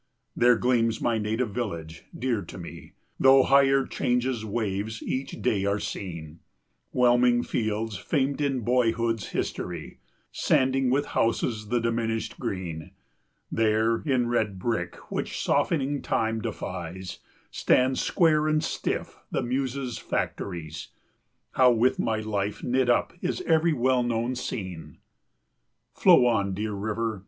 There gleams my native village, dear to me, Though higher change's waves each day are seen, 205 Whelming fields famed in boyhood's history, Sanding with houses the diminished green; There, in red brick, which softening time defies, Stand square and stiff the Muses' factories; 209 How with my life knit up is every well known scene! Flow on, dear river!